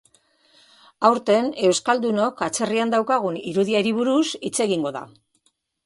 Aurten, euskaldunok atzerrian daukagun irudiari buruz hitz egingo da.